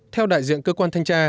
theo đại diện cơ quan thanh tra